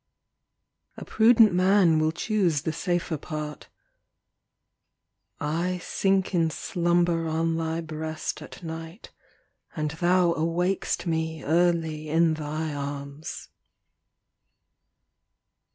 A prudent man will choose the safer part ; I sink in slumber on thy breast at night, And thou awak'st me early in thy arms.